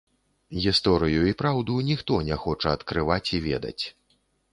Гісторыю і праўду ніхто не хоча адкрываць і ведаць.